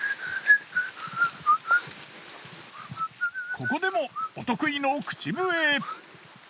ここでもお得意の口笛。